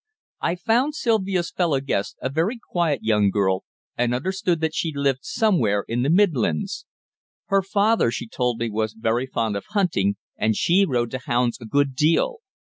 I found Sylvia's fellow guest a very quiet young girl, and understood that she lived somewhere in the Midlands. Her father, she told me, was very fond of hunting, and she rode to hounds a good deal.